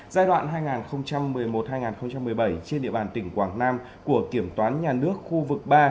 giai đoạn hai nghìn một mươi một hai nghìn một mươi bảy trên địa bàn tỉnh quảng nam của kiểm toán nhà nước khu vực ba